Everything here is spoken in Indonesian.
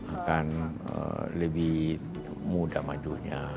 akan lebih mudah majunya